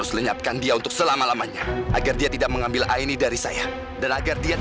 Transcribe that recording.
sampai jumpa di video selanjutnya